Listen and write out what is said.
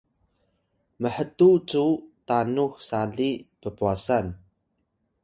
mhtuw cu tanux sali ppwasan